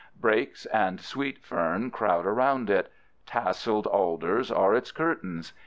Brakes and sweet fern crowd around it. Tasseled alders are its curtains.